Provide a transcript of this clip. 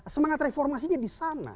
semangat reformasinya di sana